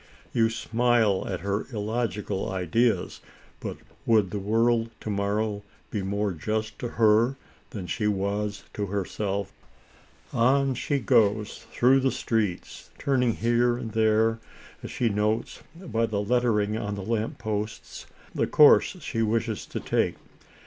You smile at her illogical ideas; but would the world, to morrow, be more just to her than she was to herself ? On she goes through the streets, turning here and there, as she notes, by the let tering on the lamp posts, the course she wishes to take.